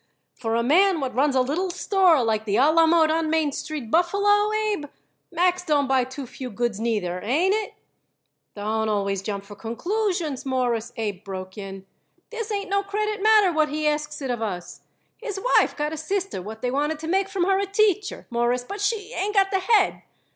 "For a man what runs a little store like the A La Mode on Main Street, Buffalo, Abe, Max don't buy too few goods, neither. Ain't it?" "Don't jump always for conclusions, Mawruss," Abe broke in. "This ain't no credit matter what he asks it of us. His wife got a sister what they wanted to make from her a teacher, Mawruss, but she ain't got the head.